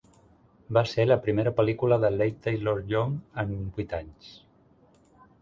Va ser la primera pel·lícula de Leigh Taylor-Young en vuit anys.